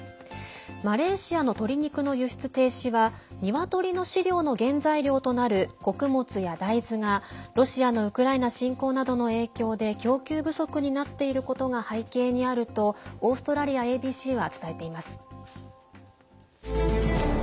マレーシアの鶏肉の輸出停止は鶏の飼料の原材料となる穀物や大豆がロシアのウクライナ侵攻などの影響で供給不足になっていることが背景にあるとオーストラリアＡＢＣは伝えています。